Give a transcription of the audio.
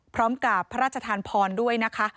พร้อมกับพระราชทานพรด้วยนะคะ